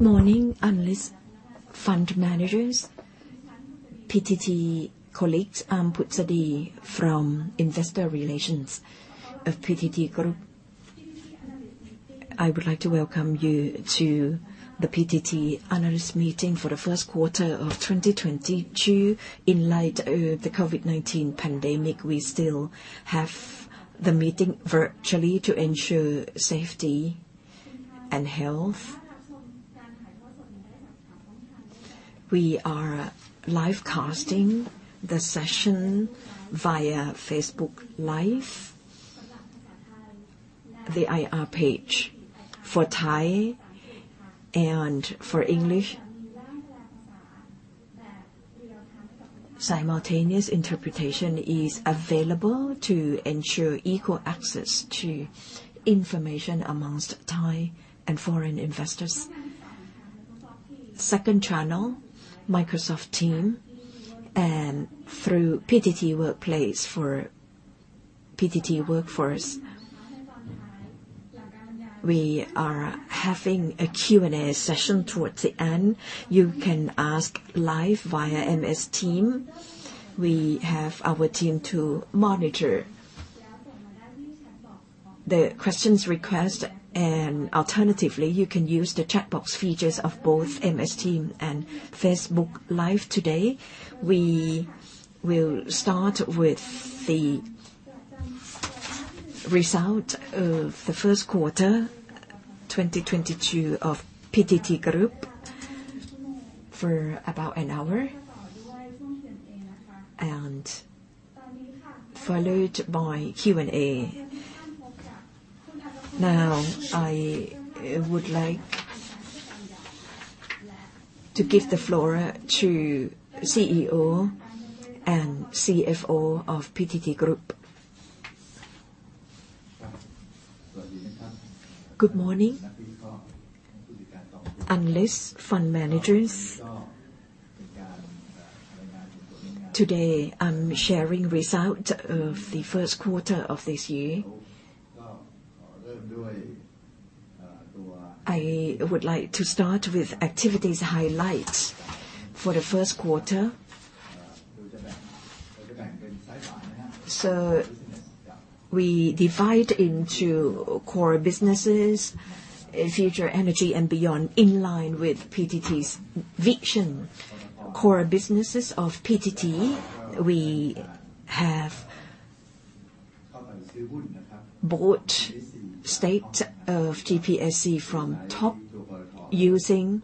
Good morning, analysts, fund managers, PTT colleagues. I'm Jitraekha Puengpak from Investor Relations of PTT Group. I would like to welcome you to the PTT Analyst Meeting for the first quarter of 2022. In light of the COVID-19 pandemic, we still have the meeting virtually to ensure safety and health. We are live casting the session via Facebook Live, the IR page for Thai and for English. Simultaneous interpretation is available to ensure equal access to information among Thai and foreign investors. Second channel, Microsoft Teams and through PTT Workplace for PTT workforce. We are having a Q&A session towards the end. You can ask live via MS Teams. We have our team to monitor the questions request and alternatively, you can use the chat box features of both MS Teams and Facebook Live today. We will start with the results of the first quarter 2022 of PTT Group for about an hour, followed by Q&A. Now, I would like to give the floor to the CEO and CFO of PTT Group. Good morning, analysts, fund managers. Today, I'm sharing results of the first quarter of this year. I would like to start with activities highlights for the first quarter. We divide into core businesses, future energy and beyond, in line with PTT's vision. Core businesses of PTT, we have bought stake of GPSC from TOP using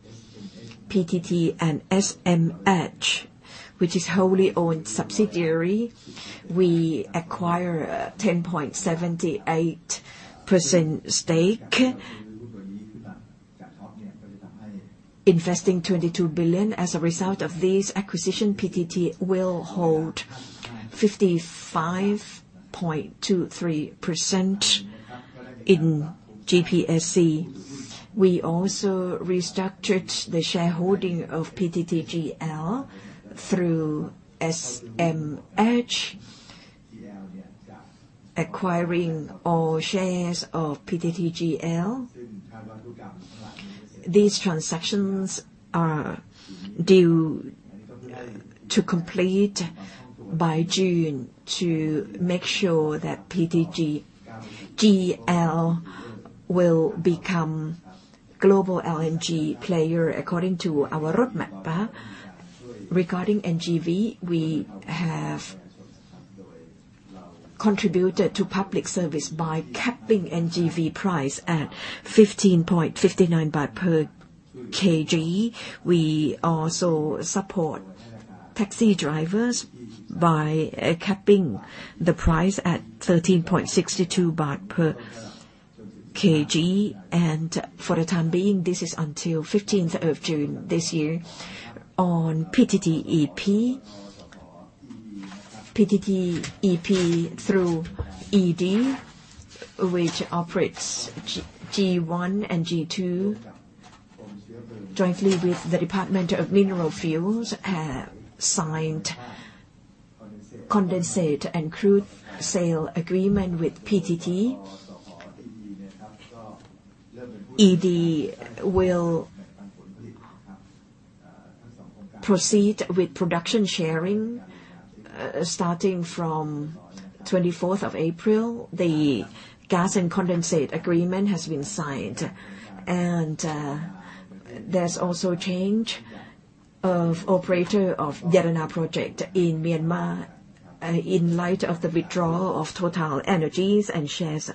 PTT and SMH, which is wholly owned subsidiary. We acquire 10.78% stake. Investing 22 billion. As a result of this acquisition, PTT will hold 55.23% in GPSC. We also restructured the shareholding of PTTGL through SMH, acquiring all shares of PTTGL. These transactions are due to complete by June to make sure that PTT Global LNG will become Global LNG player according to our roadmap. Regarding NGV, we have contributed to public service by capping NGV price at 15.59 baht per kg. We also support taxi drivers by capping the price at 13.62 baht per kg. For the time being, this is until 15th of June this year. On PTTEP through ED, which operates G1 and G2 jointly with the Department of Mineral Fuels, have signed condensate and crude sale agreement with PTTED will proceed with production sharing starting from 24th of April. The gas and condensate agreement has been signed. There's also change of operator of Yadana project in Myanmar. In light of the withdrawal of TotalEnergies and shares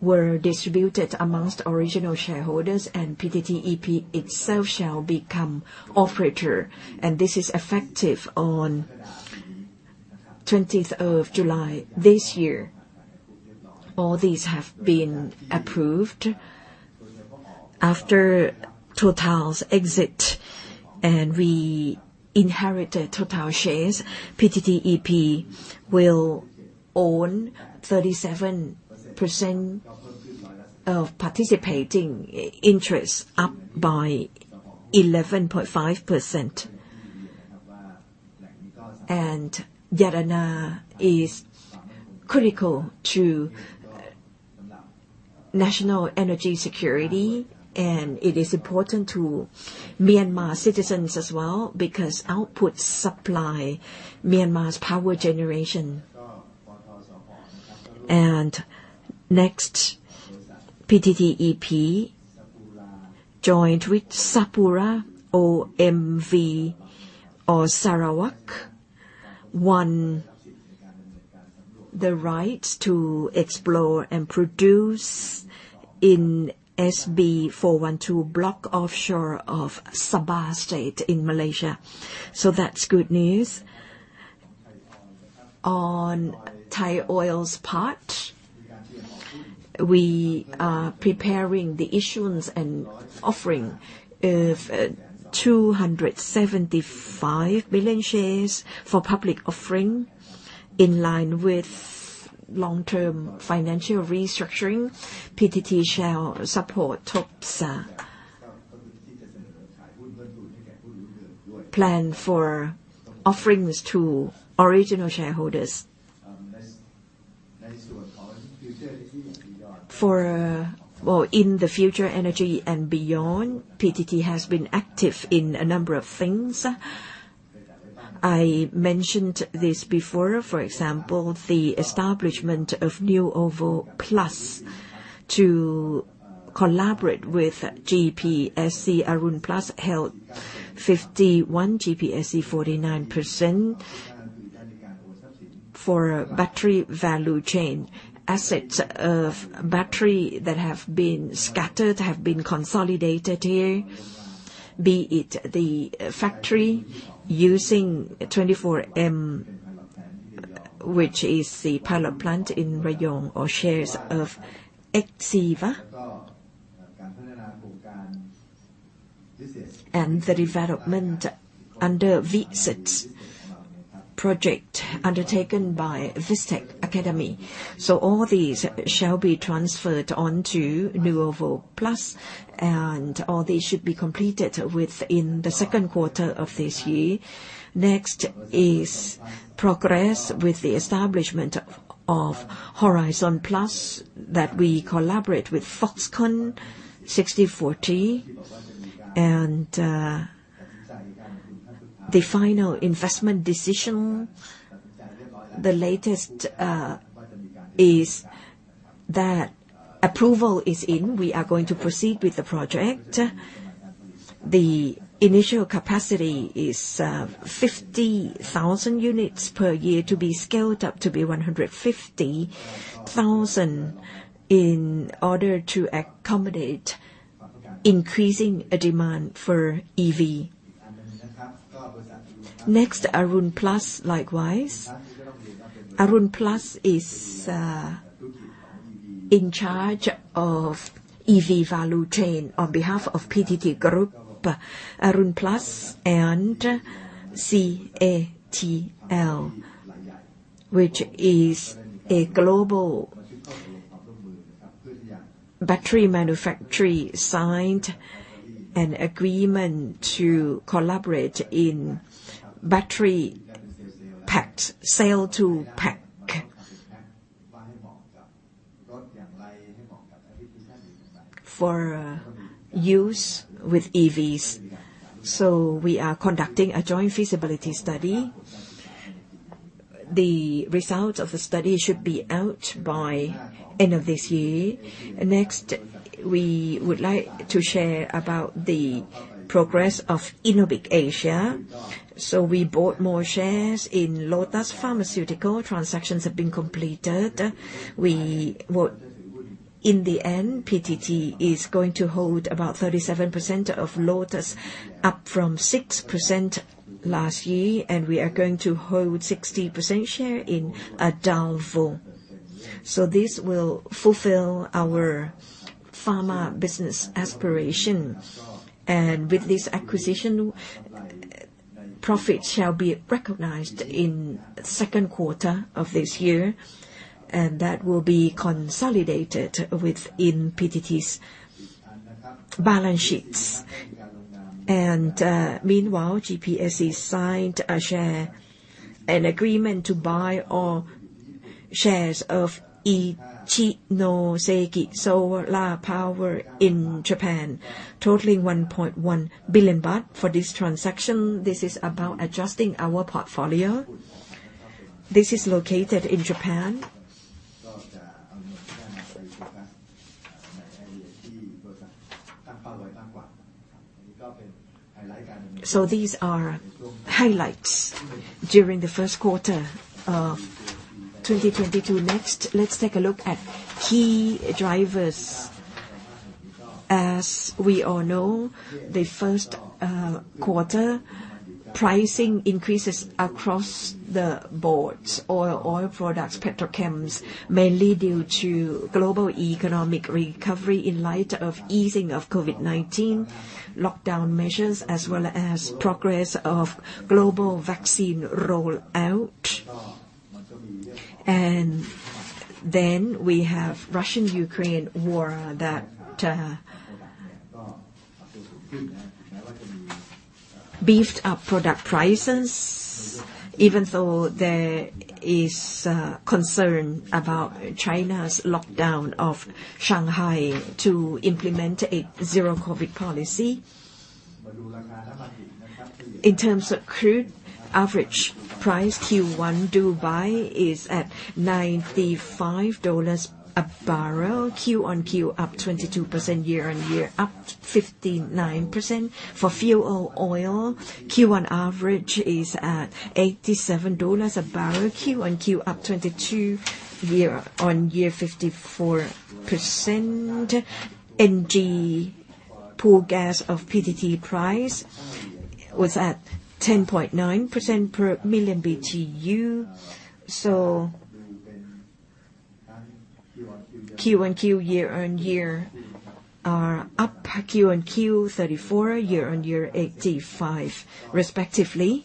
were distributed among original shareholders, and PTTEP itself shall become operator, and this is effective on 20th of July this year. All these have been approved. After Total's exit and we inherit the Total shares, PTTEP will own 37% of participating interests, up by 11.5%. Yadana is critical to national energy security, and it is important to Myanmar citizens as well because output supplies Myanmar's power generation. Next, PTTEP joined with SapuraOMV in Sarawak won the right to explore and produce in SB412 block offshore of Sabah state in Malaysia. That's good news. On Thai Oil's part, we are preparing the issuance and offering of 275 million shares for public offering in line with long-term financial restructuring. PTT shall support TOP's plan for offerings to original shareholders. For... Well, in the future energy and beyond, PTT has been active in a number of things. I mentioned this before. For example, the establishment of Nuovo Plus to collaborate with GPSC Arun Plus held 51, GPSC 49 percent for battery value chain. Assets of battery that have been scattered have been consolidated here, be it the factory using 24M which is the power plant in Rayong or shares of XEVA and the development under VISTEC project undertaken by VISTEC Academy. So all these shall be transferred on to Nuovo Plus, and all these should be completed within the second quarter of this year. Next is progress with the establishment of Horizon Plus that we collaborate with Foxconn 60/40. The final investment decision, the latest, is that approval is in. We are going to proceed with the project. The initial capacity is 50,000 units per year to be scaled up to 150,000 in order to accommodate increasing demand for EV. Next, Arun Plus likewise. Arun Plus is in charge of EV value chain on behalf of PTT Group. Arun Plus and CATL, which is a global battery manufacturer, signed an agreement to collaborate in battery pack, cell to pack for use with EVs. We are conducting a joint feasibility study. The result of the study should be out by end of this year. Next, we would like to share about the progress of Innobic (Asia). We bought more shares in Lotus Pharmaceutical. Transactions have been completed. In the end, PTT is going to hold about 37% of Lotus up from 6% last year, and we are going to hold 60% share in Adalvo. This will fulfill our pharma business aspiration. With this acquisition, profit shall be recognized in second quarter of this year, and that will be consolidated within PTT's balance sheets. Meanwhile, GPSC signed a share agreement to buy all shares of Ichinoseki Solar Power in Japan, totaling 1.1 billion baht for this transaction. This is about adjusting our portfolio. This is located in Japan. These are highlights during the first quarter of 2022. Next, let's take a look at key drivers. As we all know, the first quarter pricing increases across the board. Oil, oil products, petrochemicals mainly due to global economic recovery in light of easing of COVID-19 lockdown measures as well as progress of global vaccine rollout. We have Russia-Ukraine war that beefed up product prices, even though there is concern about China's lockdown of Shanghai to implement a zero-COVID policy. In terms of crude, average price Q1 Dubai is at $95 a barrel, Q-on-Q up 22%, year-on-year up 59%. For fuel oil, Q1 average is at $87 a barrel. Q-on-Q up 22, year-on-year 54%. NG pool gas of PTT price was at $10.9 per million BTU. Q-on-Q, year-on-year are up. Q-on-Q 34, year-on-year $85 respectively.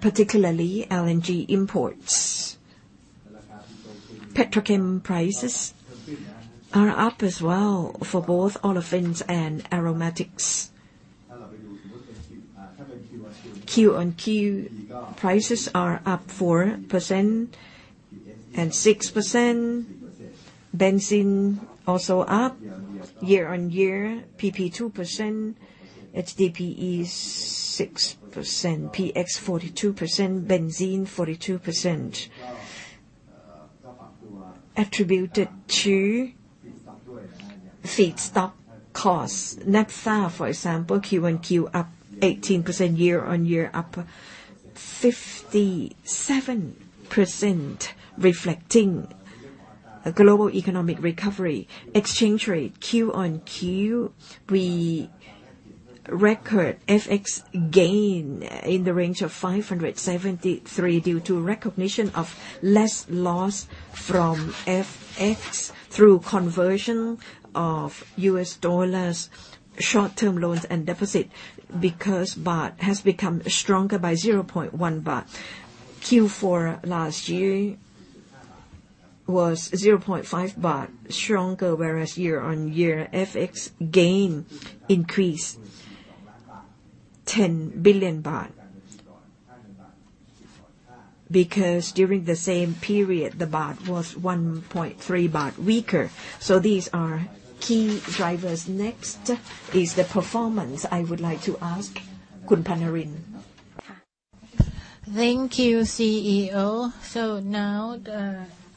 Particularly LNG imports. Petrochemical prices are up as well for both olefins and aromatics. Q-on-Q prices are up 4% and 6%. Benzene also up year-on-year. PP 2%, HDPE 6%, PX 42%, benzene 42%. Attributed to feedstock costs. Naphtha, for example, Q-on-Q up 18%, year-on-year up 57%, reflecting a global economic recovery. Exchange rate, Q-on-Q, we record FX gain in the range of 573 million due to recognition of less loss from FX through conversion of U.S. dollars short-term loans and deposits, because baht has become stronger by 0.1 baht. Q4 last year was 0.5 baht stronger, whereas year-on-year FX gain increased THB 10 billion. Because during the same period, the baht was 1.3 baht weaker. These are key drivers. Next is the performance. I would like to ask Buranin. Thank you, CEO. Now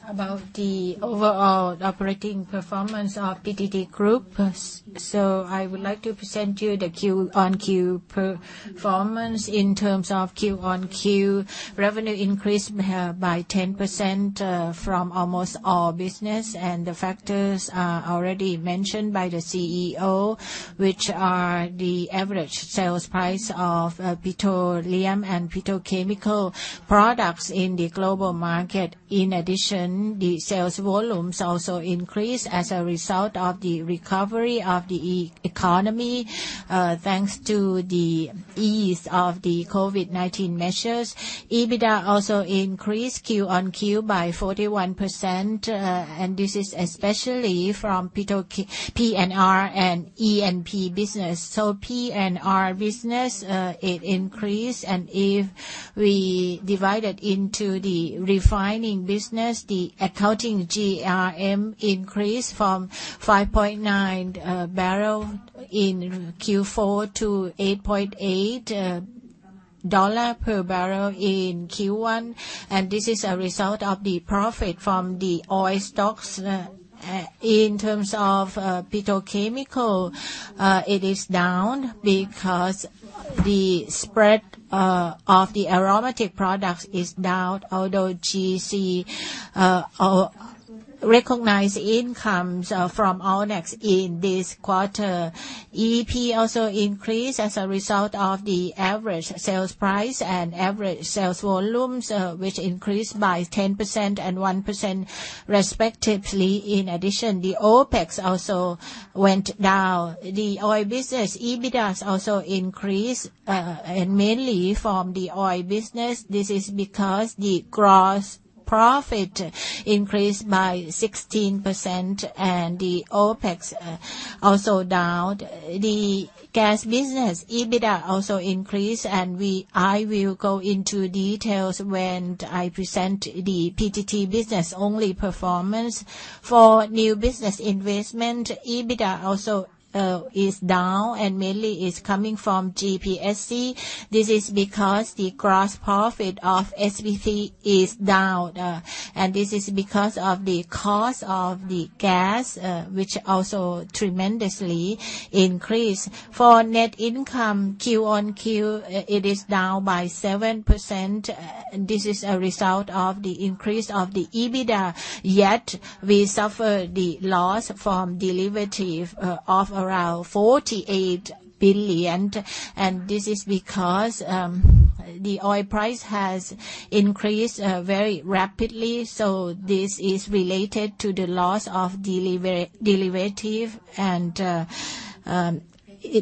about the overall operating performance of PTT Group. I would like to present to you the Q-on-Q performance. In terms of Q-on-Q, revenue increased by 10% from almost all business. The factors are already mentioned by the CEO, which are the average sales price of petroleum and petrochemical products in the global market. In addition, the sales volumes also increased as a result of the recovery of the economy, thanks to the ease of the COVID-19 measures. EBITDA also increased Q-on-Q by 41%, and this is especially from P&R and E&P business. P&R business it increased. If we divide it into the refining business, the accounting GRM increased from $5.9 per barrel in Q4 to $8.8 per barrel in Q1. This is a result of the profit from the oil stocks. In terms of petrochemical, it is down because the spread of the aromatic products is down, although GC recognized incomes from ONEX in this quarter. E&P also increased as a result of the average sales price and average sales volumes, which increased by 10% and 1% respectively. In addition, the OpEx also went down. The oil business EBITDA also increased, and mainly from the oil business. This is because the gross profit increased by 16% and the OpEx also down. The gas business EBITDA also increased and we, I will go into details when I present the PTT business only performance. For new business investment, EBITDA also is down and mainly is coming from GPSC. This is because the gross profit of SBC is down, and this is because of the cost of the gas, which also tremendously increased. For net income, quarter-over-quarter it is down by 7%. This is a result of the increase of the EBITDA. Yet we suffer the loss from derivative of around 48 billion. This is because the oil price has increased very rapidly. This is related to the loss of derivative, and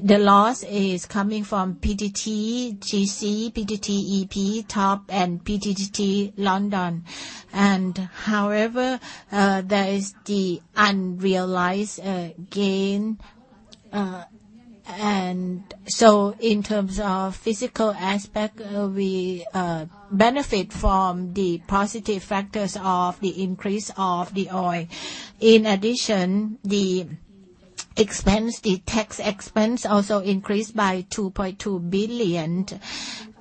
the loss is coming from PTTGC, PTTEP, TOP and PTT International Trading London Ltd. However, there is the unrealized gain. In terms of physical aspect, we benefit from the positive factors of the increase of the oil. In addition, the tax expense also increased by 2.2 billion.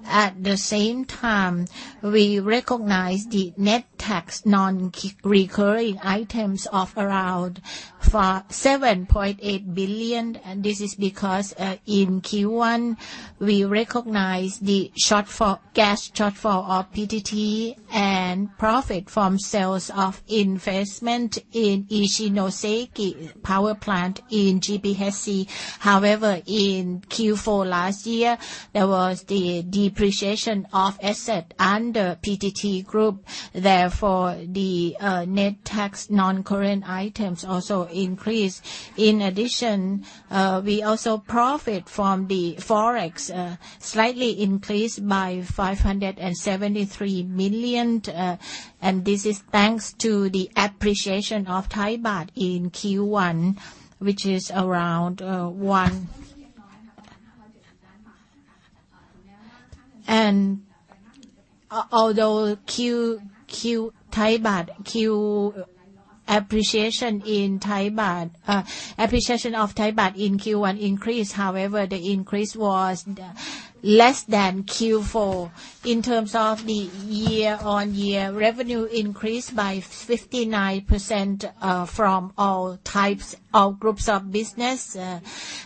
At the same time, we recognize the net tax non-recurring items of around 7.8 billion, and this is because in Q1, we recognize the gas shortfall of PTT and profit from sales of investment in Ichinoseki Power Plant in GPSC. However, in Q4 last year, there was the depreciation of asset under PTT Group, therefore the net tax non-recurring items also increased. In addition, we also profit from the FX slightly increased by 573 million. And this is thanks to the appreciation of Thai baht in Q1, which is around 1%. Although Q1 Thai baht appreciation of Thai baht in Q1 increased, however, the increase was less than Q4. In terms of the year-on-year revenue increased by 59%, from all types or groups of business.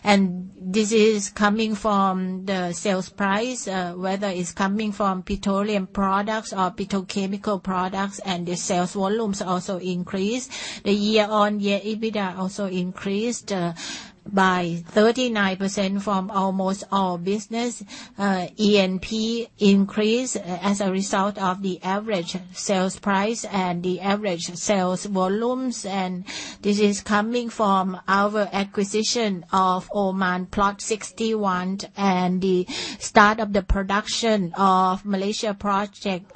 This is coming from the sales price, whether it's coming from petroleum products or petrochemical products, and the sales volumes also increased. The year-on-year EBITDA also increased by 39% from almost all business. E&P increased as a result of the average sales price and the average sales volumes. This is coming from our acquisition of Oman Block 61 and the start of the production of Malaysia project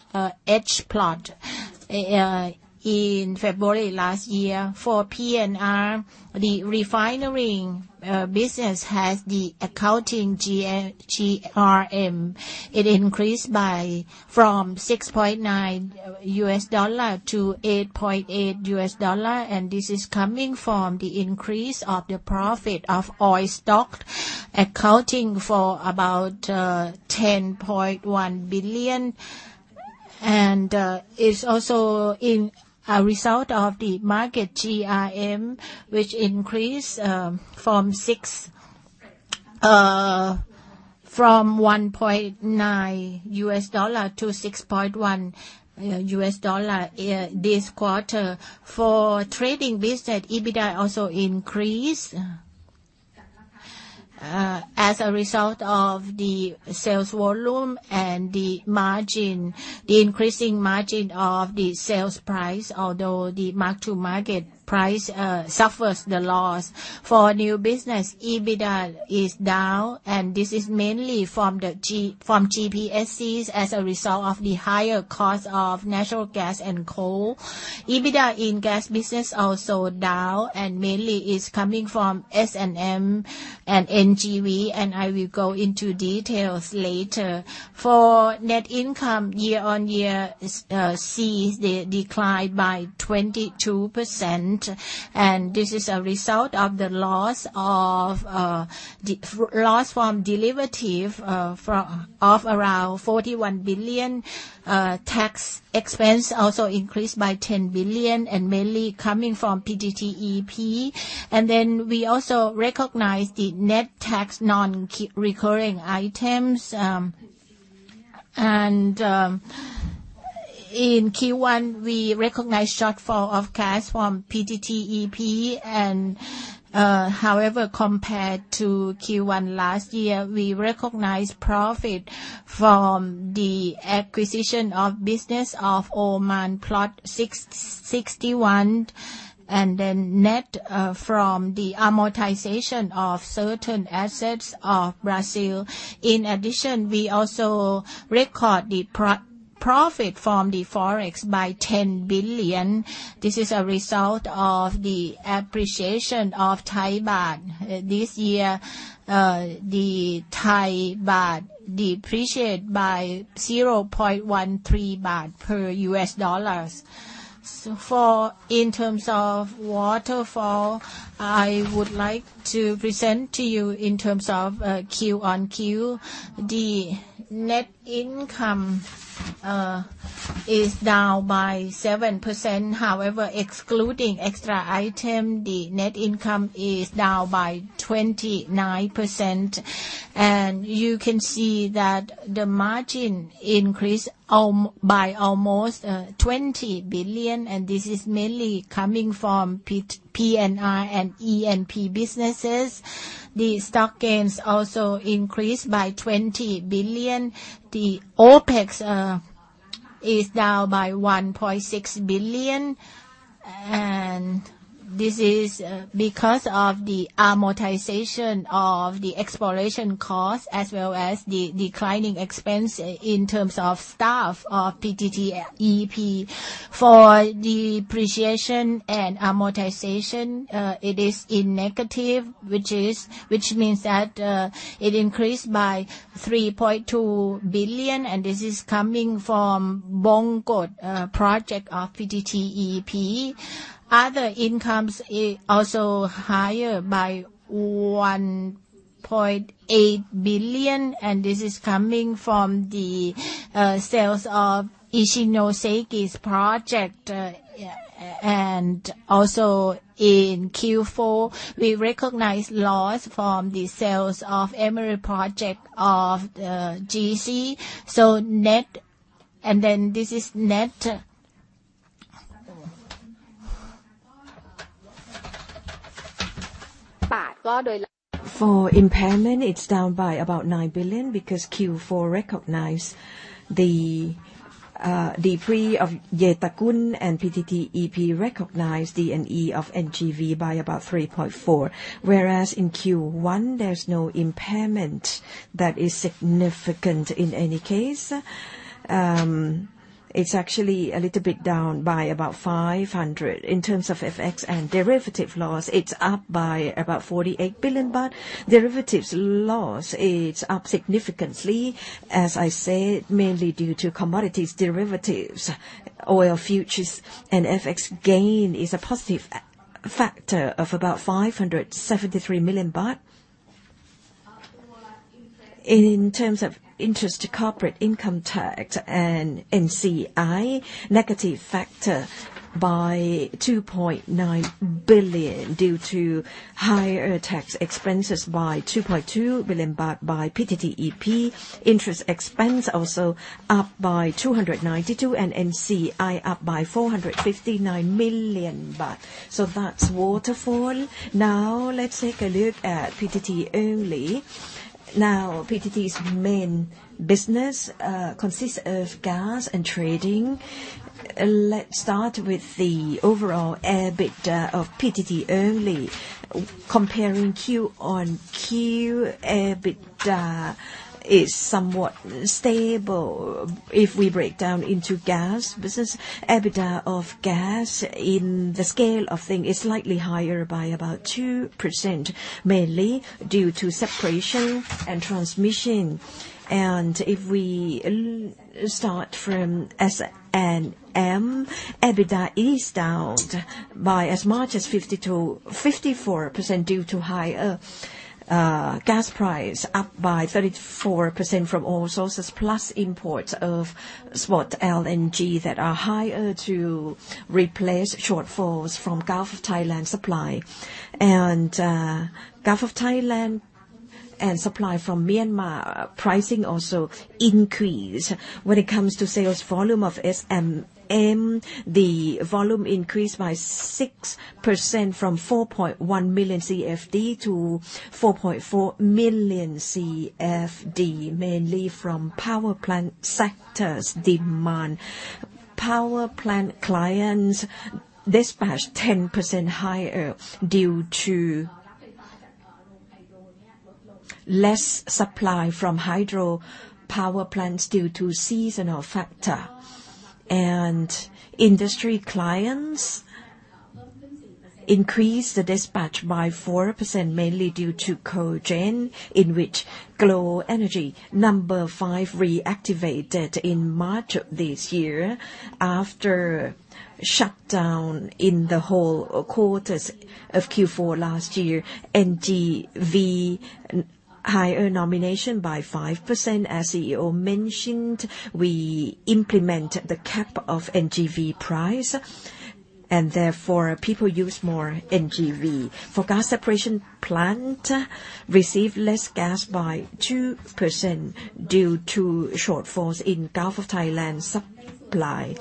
H Block in February last year. For P&R, the refinery business has the accounting GRM. It increased from $6.9 to $8.8, and this is coming from the increase of the profit of oil stock, accounting for about 10.1 billion. It's also in a result of the market GRM, which increased from $1.9 to $6.1 this quarter. For trading business, EBITDA also increased as a result of the sales volume and the margin, the increasing margin of the sales price although the mark-to-market price suffers the loss. For new business, EBITDA is down, and this is mainly from GPSC's as a result of the higher cost of natural gas and coal. EBITDA in gas business also down and mainly is coming from S&M and NGV, and I will go into details later. For net income year-over-year sees the decline by 22%, and this is a result of the loss from derivatives of around 41 billion. Tax expense also increased by 10 billion and mainly coming from PTTEP. Then we also recognize the net tax non-recurring items. In Q1, we recognize shortfall of cash from PTTEP. However, compared to Q1 last year, we recognize profit from the acquisition of business of Oman Block 61 and then net from the amortization of certain assets of Brazil. In addition, we also record the profit from the FX by 10 billion. This is a result of the appreciation of Thai baht. This year, the Thai baht depreciate by 0.13 baht per U.S. dollar. For in terms of waterfall, I would like to present to you in terms of Q-on-Q. The net income is down by 7%. However, excluding extra item, the net income is down by 29%. You can see that the margin increased by almost 20 billion, and this is mainly coming from P&R and E&P businesses. The stock gains also increased by 20 billion. The OpEx is down by 1.6 billion. This is because of the amortization of the exploration cost as well as the declining expense in terms of staff of PTTEP. For depreciation and amortization, it is in negative, which means that it increased by 3.2 billion, and this is coming from Bongkot project of PTTEP. Other incomes also higher by 1.8 billion, and this is coming from the sales of Ichinoseki's project. Also in Q4, we recognize loss from the sales of Emery project of GC. Net, and then this is net. For impairment, it's down by about 9 billion because Q4 recognized the impairment of Yetagun, and PTTEP recognized the impairment of NGV by about 3.4 billion. Whereas in Q1, there's no impairment that is significant in any case. It's actually a little bit down by about 500 million. In terms of FX and derivative loss, it's up by about 48 billion. Derivatives loss is up significantly, as I said, mainly due to commodities derivatives. Oil futures and FX gain is a positive factor of about 573 million baht. In terms of interest and corporate income tax and NCI, negative factor by 2.9 billion due to higher tax expenses by 2.2 billion baht by PTTEP. Interest expense also up by 292 million, and NCI up by 459 million baht. That's waterfall. Now let's take a look at PTT only. Now, PTT's main business consists of gas and trading. Let's start with the overall EBITDA of PTT only. Comparing quarter-over-quarter, EBITDA is somewhat stable. If we break down into gas business, EBITDA of gas in the scale of thing is slightly higher by about 2%, mainly due to separation and transmission. If we start from S&M, EBITDA is down by as much as 50%-54% due to higher gas price, up by 34% from all sources, plus imports of spot LNG that are higher to replace shortfalls from Gulf of Thailand supply. Gulf of Thailand and supply from Myanmar, pricing also increased. When it comes to sales volume of S&M, the volume increased by 6% from 4.1 million CFD to 4.4 million CFD, mainly from power plant sectors demand. Power plant clients dispatched 10% higher due to less supply from hydro power plants due to seasonal factor. Industry clients increased the dispatch by 4% mainly due to cogen, in which Glow Energy Number Five reactivated in March of this year after shutdown in the whole quarters of Q4 last year. NGV higher nomination by 5%. As CEO mentioned, we implement the cap of NGV price and therefore people use more NGV. For gas separation plant, received less gas by 2% due to shortfalls in Gulf of Thailand supply.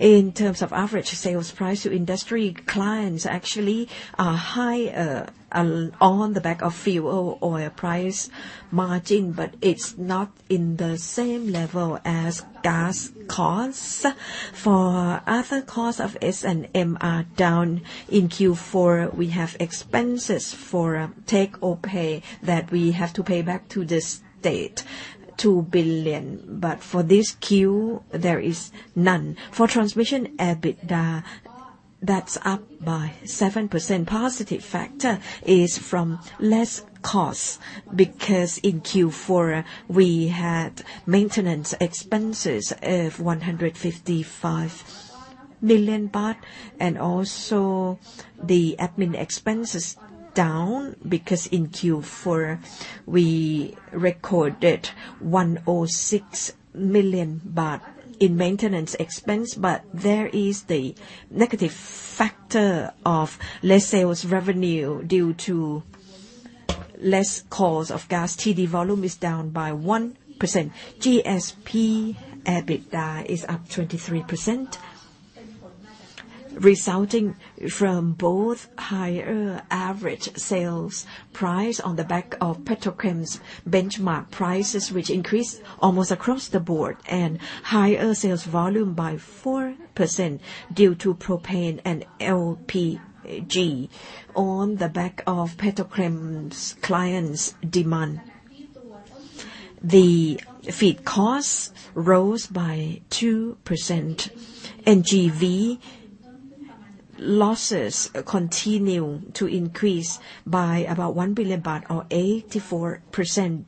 In terms of average sales price to industry, clients actually are higher on the back of fuel oil price margin, but it's not in the same level as gas costs. For other costs of S&M are down. In Q4, we have expenses for take-or-pay that we have to pay back to the state 2 billion. For this Q, there is none. For transmission EBITDA, that's up by 7%. Positive factor is from less costs because in Q4 we had maintenance expenses of 155 million baht. The admin expense is down because in Q4 we recorded 106 million baht in maintenance expense. There is the negative factor of less sales revenue due to less cost of gas. TD volume is down by 1%. GSP EBITDA is up 23%. Resulting from both higher average sales price on the back of petrochemicals benchmark prices, which increased almost across the board and higher sales volume by 4% due to propane and LPG on the back of petrochemicals clients demand. The feed costs rose by 2%. NGV losses continue to increase by about 1 billion baht or 84%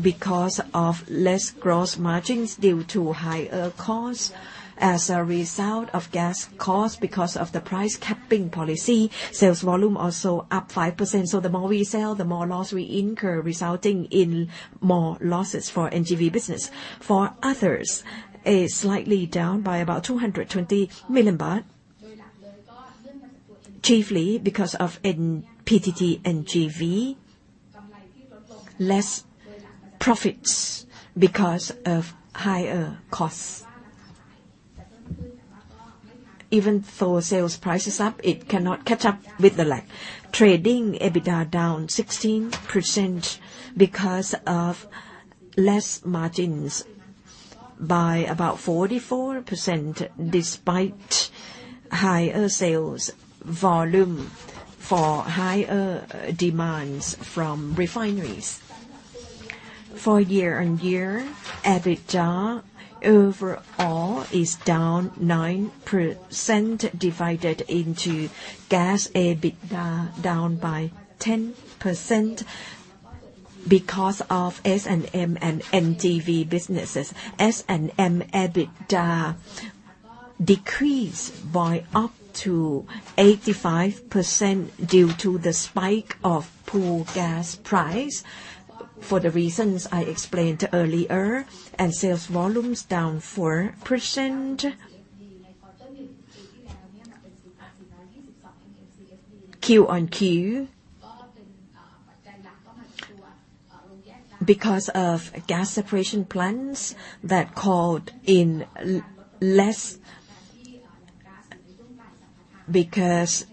because of less gross margins due to higher costs as a result of gas costs because of the price capping policy. Sales volume also up 5%. The more we sell, the more loss we incur, resulting in more losses for NGV business. For others is slightly down by about 220 million baht. Chiefly because of PTT NGV less profits because of higher costs. Even though sales price is up, it cannot catch up with the lag. Trading EBITDA down 16% because of less margins by about 44% despite higher sales volume for higher demands from refineries. For year-on-year, EBITDA overall is down 9% divided into gas EBITDA down by 10% because of S&M and NGV businesses. S&M EBITDA decreased by up to 85% due to the spike of pool gas price for the reasons I explained earlier and sales volumes down 4%. Q-on-Q because of gas separation plants that called in less because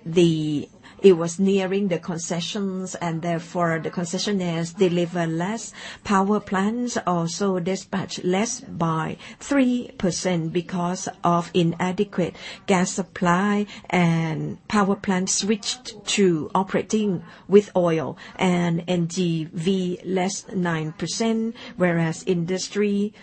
it was nearing the concessions and therefore the concessionaires delivered less power plants, also dispatched less by 3% because of inadequate gas supply and power plants switched to operating with oil and NGV less 9%, whereas industry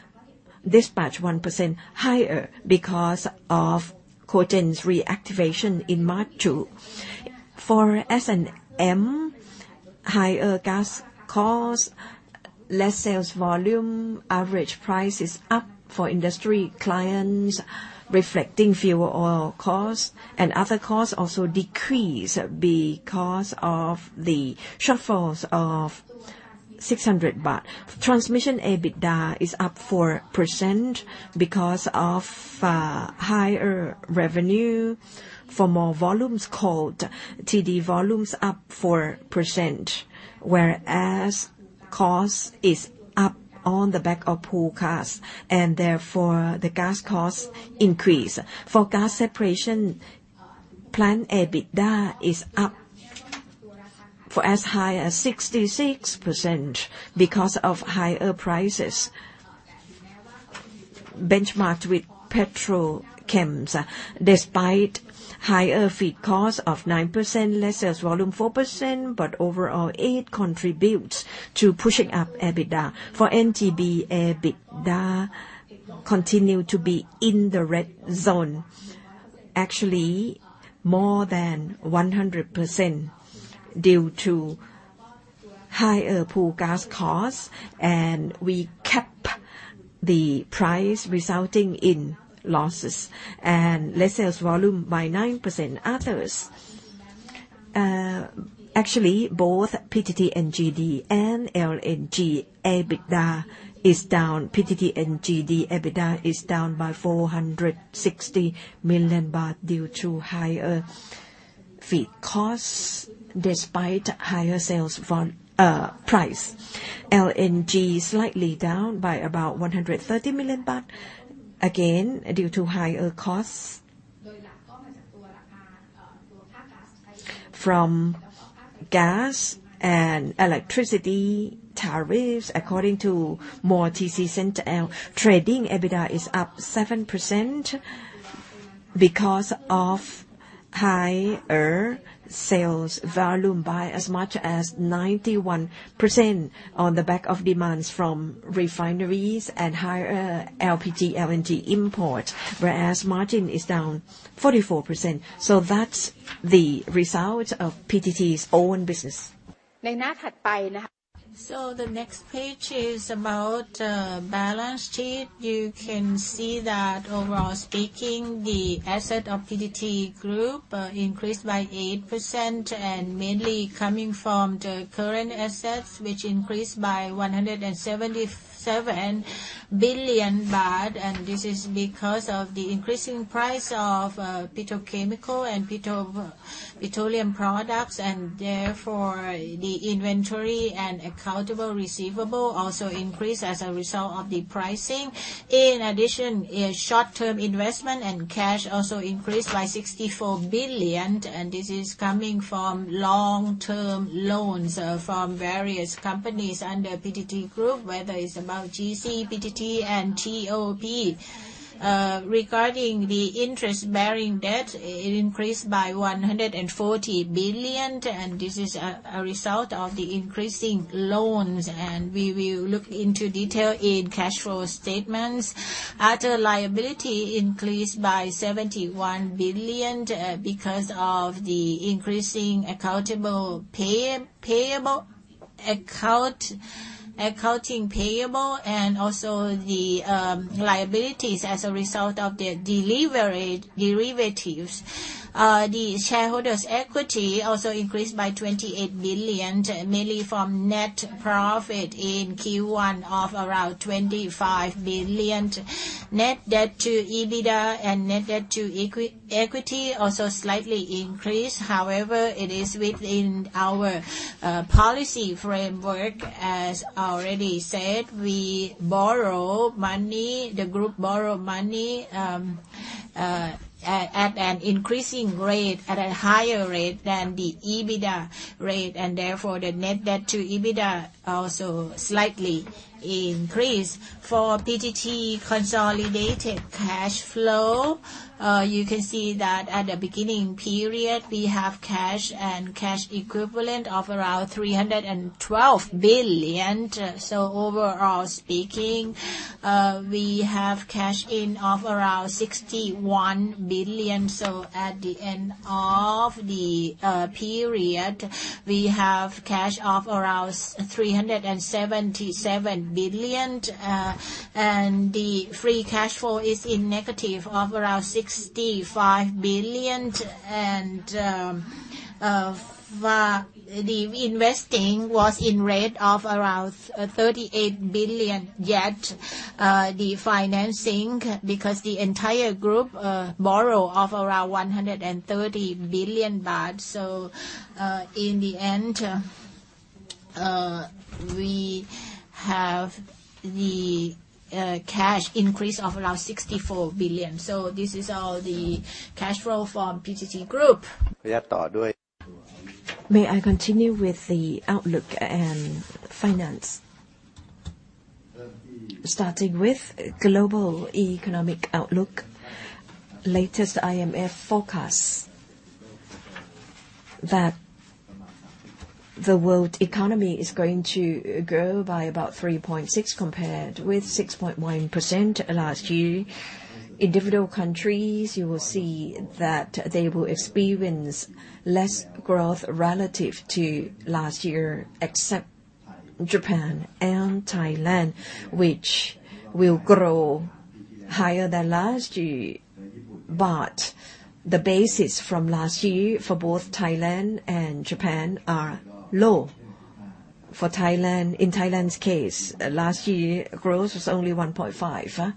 dispatched 1% higher because of cogeneration reactivation in March 2022. For S&M, higher gas costs, less sales volume, average price is up for industry clients reflecting fuel oil costs and other costs also decrease because of the shortfalls of 600 baht. Transmission EBITDA is up 4% because of higher revenue for more volumes called TD volumes up 4%, whereas costs is up on the back of pool costs and therefore the gas costs increase. For gas separation plant EBITDA is up for as high as 66% because of higher prices benchmarked with petrochemicals despite higher feed costs of 9% less sales volume 4%, but overall it contributes to pushing up EBITDA. For NGV, EBITDA continued to be in the red zone, actually more than 100% due to higher pool gas costs and we cap the price resulting in losses and less sales volume by 9%. Others, actually both PTT and NGD and LNG EBITDA is down. PTT and NGD EBITDA is down by 460 million baht due to higher feed costs despite higher sales price. LNG slightly down by about 130 million baht, again, due to higher costs from gas and electricity tariffs according to more TC Central. Trading EBITDA is up 7% because of higher sales volume by as much as 91% on the back of demands from refineries and higher LPG, LNG imports, whereas margin is down 44%. That's the result of PTT's own business. The next page is about balance sheet. You can see that overall speaking, the asset of PTT Group increased by 8%, and mainly coming from the current assets, which increased by 177 billion baht. This is because of the increasing price of petrochemical and petroleum products, and therefore, the inventory and accounts receivable also increased as a result of the pricing. In addition, short-term investment and cash also increased by 64 billion, and this is coming from long-term loans from various companies under PTT Group, whether it's about GC, PTT, and TOP. Regarding the interest-bearing debt, it increased by 140 billion, and this is a result of the increasing loans, and we will look into detail in cash flow statements. Other liability increased by 71 billion, because of the increasing accounts payable and also the liabilities as a result of the derivatives. The shareholders' equity also increased by 28 billion, mainly from net profit in Q1 of around 25 billion. Net debt to EBITDA and net debt to equity also slightly increased. However, it is within our policy framework. As already said, we borrow money, the group borrow money, at an increasing rate, at a higher rate than the EBITDA rate, and therefore, the net debt to EBITDA also slightly increased. For PTT consolidated cash flow, you can see that at the beginning period, we have cash-and-cash equivalents of around 312 billion. So overall speaking, we have cash inflow of around 61 billion. At the end of the period, we have cash of around 377 billion. The free cash flow is in of around -65 billion. The investing was in rate of around 38 billion. Yet, the financing, because the entire group borrow of around 130 billion baht. In the end, we have the cash increase of around 64 billion. This is all the cash flow from PTT Group. May I continue with the outlook and finance? Starting with global economic outlook. Latest IMF forecasts that the world economy is going to grow by about 3.6%, compared with 6.1% last year. In developed countries, you will see that they will experience less growth relative to last year, except Japan and Thailand, which will grow higher than last year. The basis from last year for both Thailand and Japan are low. For Thailand, in Thailand's case, last year growth was only 1.5%.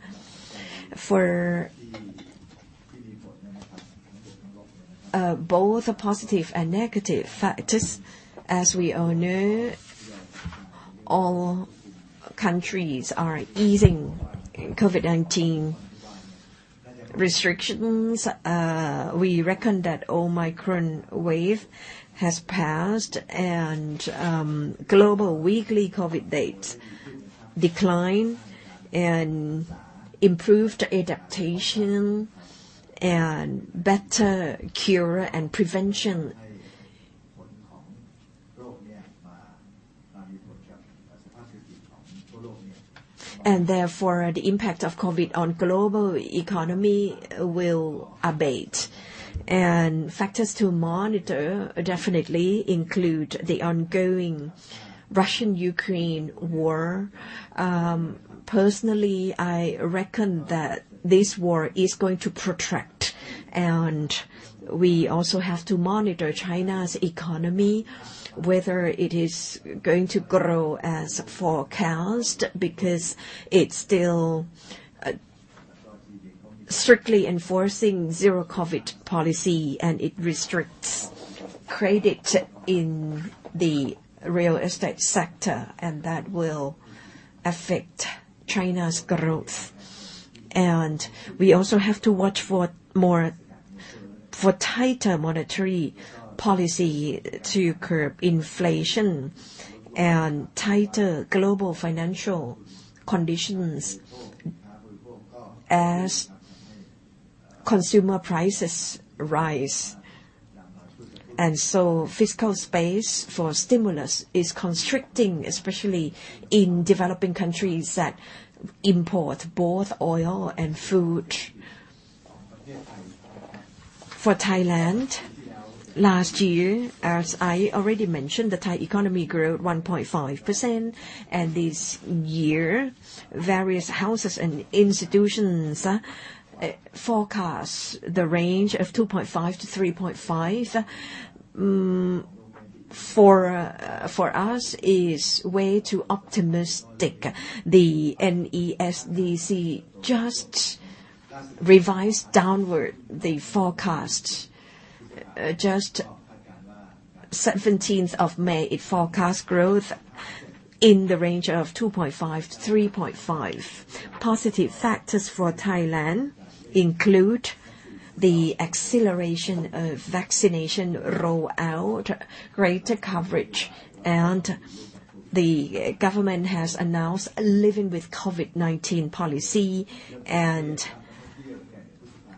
For both positive and negative factors, as we all know, all countries are easing COVID-19 restrictions. We reckon that Omicron wave has passed, and global weekly COVID data decline and improved adaptation and better cure and prevention. Therefore, the impact of COVID on global economy will abate. Factors to monitor definitely include the ongoing Russia-Ukraine war. Personally, I reckon that this war is going to protract. We also have to monitor China's economy, whether it is going to grow as forecast, because it's still strictly enforcing zero-COVID policy, and it restricts credit in the real estate sector, and that will affect China's growth. We also have to watch for tighter monetary policy to curb inflation and tighter global financial conditions as consumer prices rise. Fiscal space for stimulus is constricting, especially in developing countries that import both oil and food. For Thailand, last year, as I already mentioned, the Thai economy grew 1.5%, and this year various houses and institutions forecast the range of 2.5%-3.5%. For us is way too optimistic. The NESDC just revised downward the forecast. Just 17th of May, it forecast growth in the range of 2.5%-3.5%. Positive factors for Thailand include the acceleration of vaccination rollout, greater coverage, and the government has announced living with COVID-19 policy, and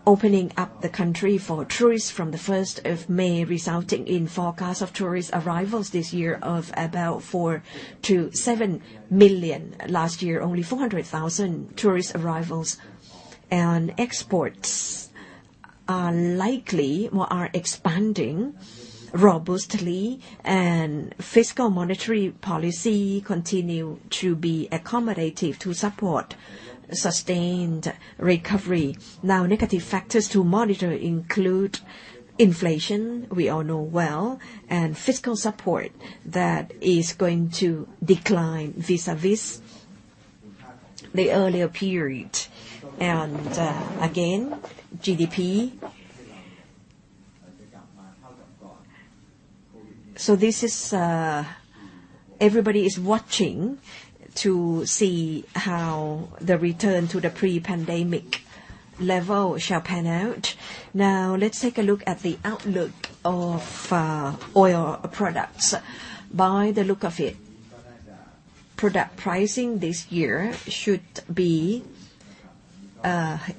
opening up the country for tourists from the first of May, resulting in forecast of tourist arrivals this year of about 4-7 million. Last year, only 400,000 tourist arrivals. Exports are likely or are expanding robustly, and fiscal monetary policy continue to be accommodative to support sustained recovery. Now, negative factors to monitor include inflation, we all know well, and fiscal support that is going to decline vis-à-vis the earlier period. Again, GDP. Everybody is watching to see how the return to the pre-pandemic level shall pan out. Now, let's take a look at the outlook of oil products. By the look of it, product pricing this year should be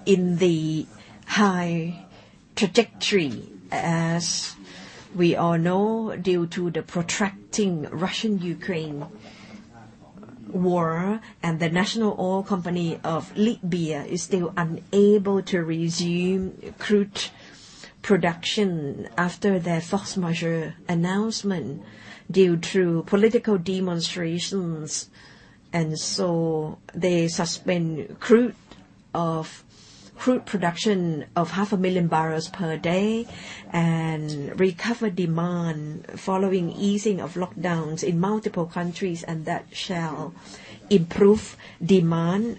in the high trajectory, as we all know, due to the protracted Russia-Ukraine war, and the national oil company of Libya is still unable to resume crude production after their force majeure announcement due to political demonstrations. They suspend crude production of 500,000 barrels per day and recover demand following easing of lockdowns in multiple countries, and that shall improve demand,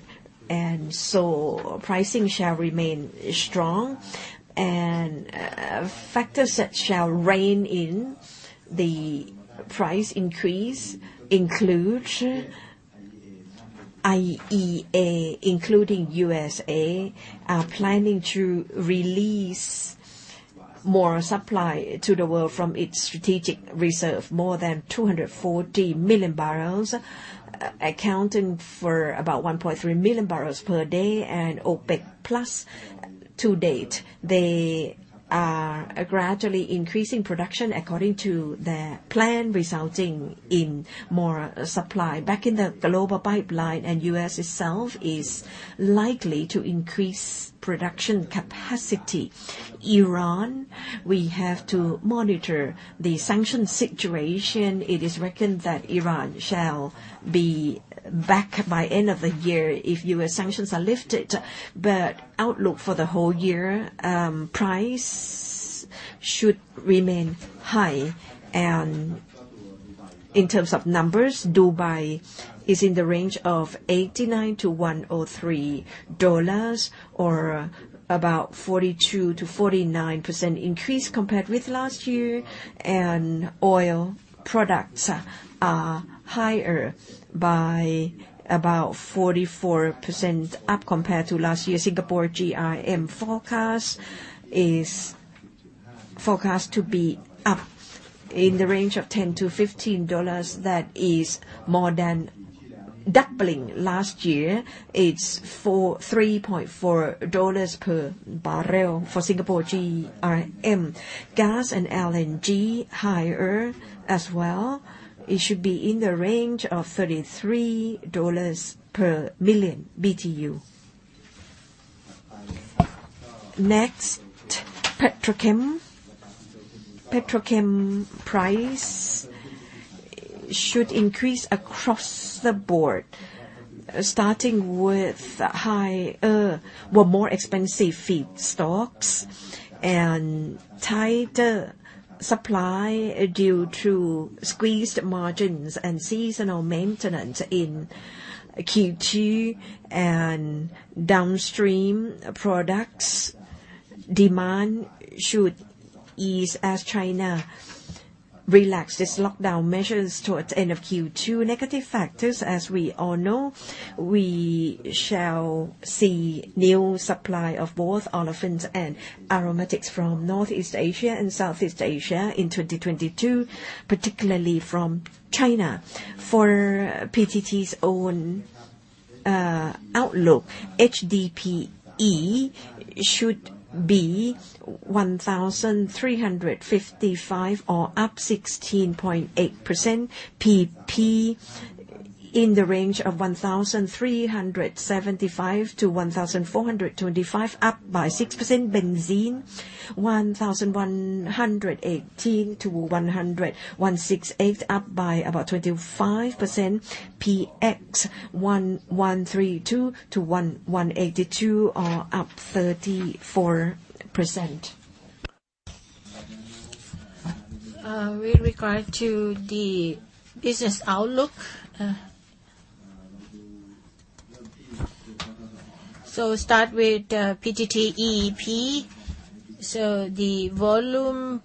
and so pricing shall remain strong. Factors that shall rein in the price increase include IEA, including U.S.A, are planning to release more supply to the world from its strategic reserve, more than 240 million barrels, accounting for about 1.3 million barrels per day. OPEC+ to date, they are gradually increasing production according to their plan, resulting in more supply back in the global pipeline. U.S. itself is likely to increase production capacity. Iran, we have to monitor the sanction situation. It is reckoned that Iran shall be back by end of the year if U.S. sanctions are lifted. Outlook for the whole year, price should remain high. In terms of numbers, Dubai is in the range of $89-$103 or about 42%-49% increase compared with last year. Oil products are higher by about 44% up compared to last year. Singapore GRM forecast to be up in the range of $10-$15. That is more than doubling last year. It is $3.4 per barrel for Singapore GRM. Gas and LNG higher as well. It should be in the range of $33 per million BTU. Next, petrochem. Petrochem price should increase across the board, starting with higher or more expensive feedstocks and tighter supply due to squeezed margins and seasonal maintenance in Q2. Downstream products demand should ease as China relaxes lockdown measures towards end of Q2. Negative factors, as we all know, we shall see new supply of both olefins and aromatics from Northeast Asia and Southeast Asia in 2022, particularly from China. For PTT's own outlook. HDPE should be 1,355 or up 16.8%. PP in the range of 1,375-1,425, up by 6%. Benzene, 1,118-1,168, up by about 25%. PX, 1132-1182, or up 34%. With regard to the business outlook. Start with PTTEP. The volume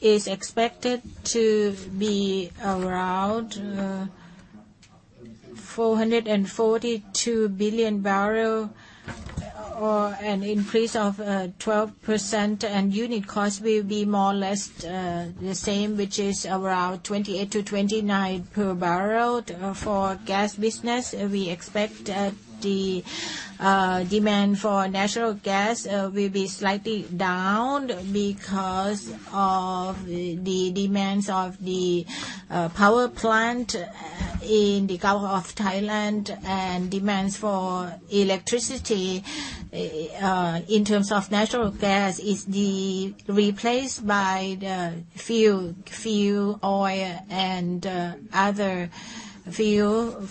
is expected to be around 442 million barrels, an increase of 12%, and unit cost will be more or less the same, which is around $28-$29 per barrel. For gas business, we expect the demand for natural gas will be slightly down because of the demands of the power plant in the Gulf of Thailand and demands for electricity in terms of natural gas is replaced by the fuel oil and other fuel.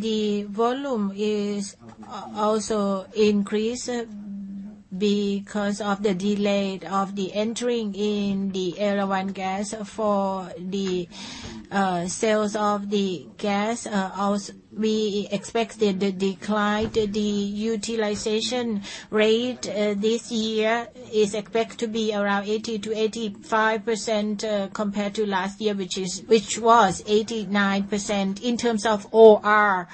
The volume is also increased because of the delay of the entering in the Erawan gas for the sales of the gas. We also expect the decline. The utilization rate this year is expected to be around 80%-85%, compared to last year, which was 89%. In terms of OR,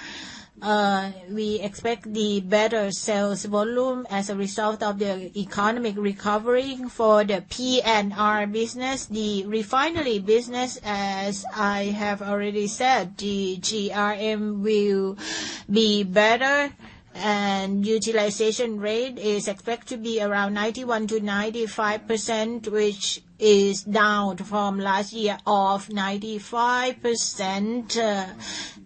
we expect the better sales volume as a result of the economic recovery. For the P&R business, the refinery business, as I have already said, the GRM will be better and utilization rate is expected to be around 91%-95%, which is down from last year of 95%.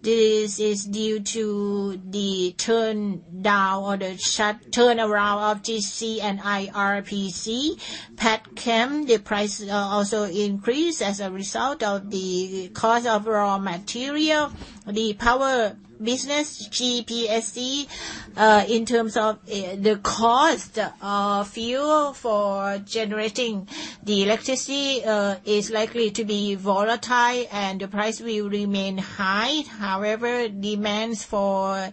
This is due to the turn down or the turnaround of TOP and IRPC. Petchem, the price also increased as a result of the cost of raw material. The power business, GPSC, in terms of the cost of fuel for generating the electricity, is likely to be volatile, and the price will remain high. However, demands for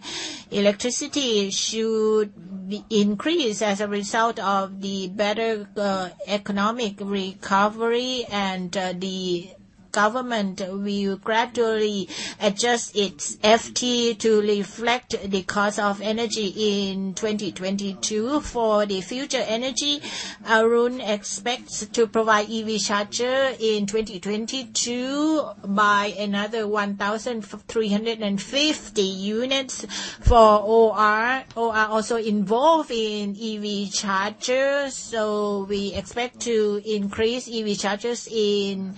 electricity should be increased as a result of the better economic recovery and the government will gradually adjust its FT to reflect the cost of energy in 2022. For the future energy, Arun expects to provide EV charger in 2022 by another 1,350 units. For OR also involved in EV chargers. We expect to increase EV chargers in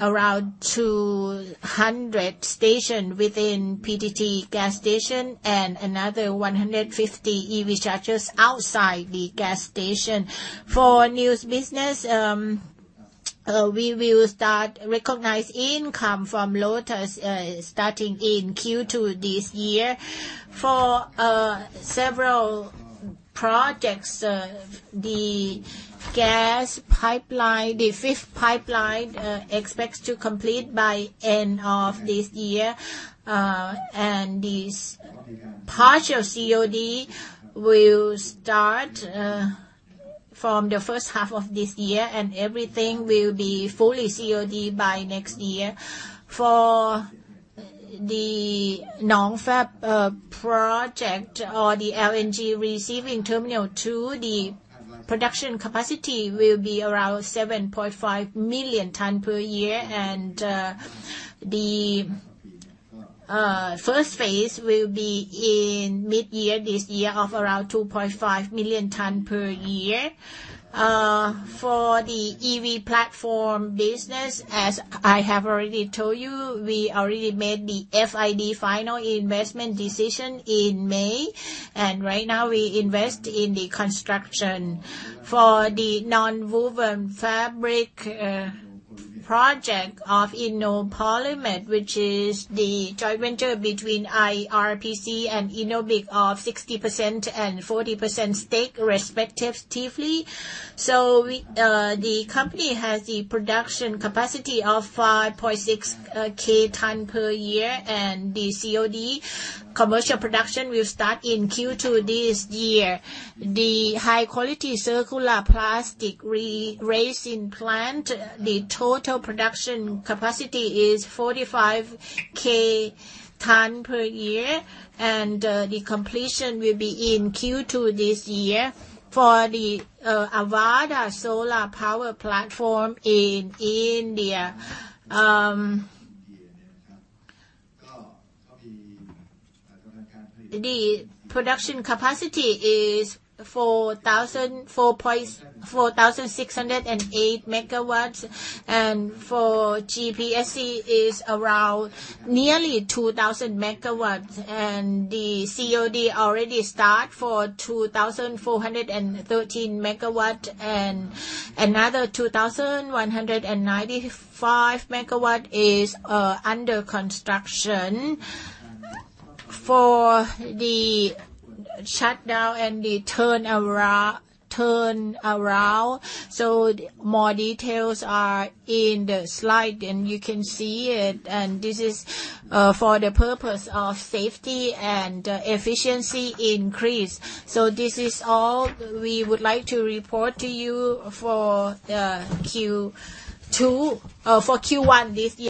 around 200 stations within PTT gas station and another 150 EV chargers outside the gas station. For new business, we will start recognize income from Lotus starting in Q2 this year. For several projects, the gas pipeline, the fifth pipeline, expects to complete by end of this year. This partial COD will start from the first half of this year, and everything will be fully COD by next year. For the Nong Fab project or the LNG receiving terminal two, the production capacity will be around 7.5 million tons per year and the first phase will be in mid-year this year of around 2.5 million tons per year. For the EV platform business, as I have already told you, we already made the FID final investment decision in May, and right now we invest in the construction. For the non-woven fabric project of Innopolymed, which is the joint venture between IRPC and Innobic of 60% and 40% stake respectively. We, the company has the production capacity of 5.6 KTA and the COD commercial production will start in Q2 this year. The high-quality circular plastic resin plant, the total production capacity is 45 KTA and, the completion will be in Q2 this year. For the, Avaada solar power platform in India, the production capacity is 4,608 MW and for GPSC is around nearly 2,000 MW. The COD already start for 2,413 MW and another 2,195 MW is under construction. For the shutdown and the turnaround, more details are in the slide and you can see it. This is for the purpose of safety and efficiency increase. This is all we would like to report to you for Q2 for Q1 this year.